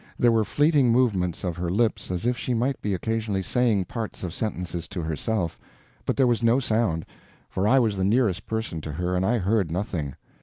There were fleeting movements of her lips as if she might be occasionally saying parts of sentences to herself. But there was no sound, for I was the nearest person to her and I heard nothing.